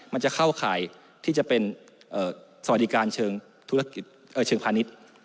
มันจะเข้าข่ายที่จะเป็นสวัสดิการเชิงธุรกิจเชิงพาณิชย์